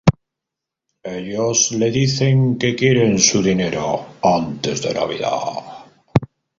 Ellos le dicen que quieren su dinero antes de Navidad.